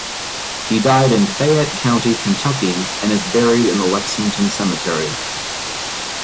He died in Fayette County, Kentucky and is buried in the Lexington Cemetery.